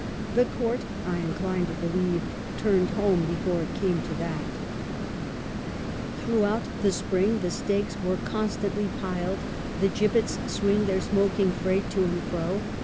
The Court, I incline to believe, turned home before it came to that. THE SOR BONNE. 1 53 Throughout the spring the stakes are con stantly piled, the gibbets swing their smoking freight to and fro.